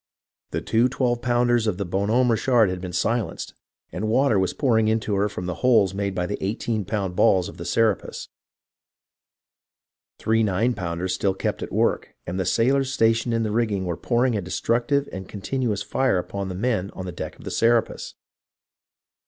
The two twelve pounders of the Bon Homme Richard had been silenced, and water was pouring into her from the holes made by the eighteen pound balls of the Serapis. Three nine pounders still kept at work, and the sailors stationed in the rigging were pouring a destructive and continuous fire upon the men on the deck of the Serapis.